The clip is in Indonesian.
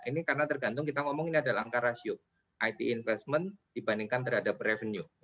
ini karena tergantung kita ngomong ini adalah angka rasio it investment dibandingkan terhadap revenue